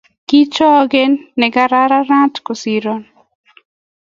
Kechoge negararan kosiro